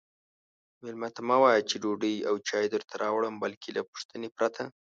میلمه ته مه وایئ چې ډوډۍ او چای درته راوړم بلکې له پوښتنې پرته